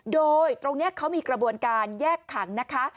โดยตรงนี้เขามีกระบวนการแยกขังนะคะ